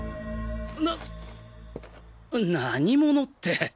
な何者って。